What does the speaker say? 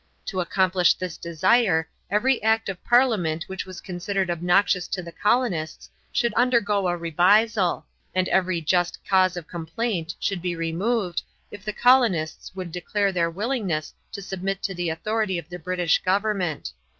To accomplish this desire every act of Parliament which was considered obnoxious to the colonists should undergo a revisal, and every just cause of complaint should be removed, if the colonists would declare their willingness to submit to the authority of the British government.